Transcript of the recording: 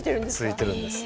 ついてるんですよ。